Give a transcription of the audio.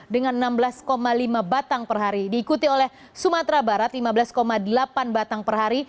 dengan enam belas lima batang per hari diikuti oleh sumatera barat lima belas delapan batang per hari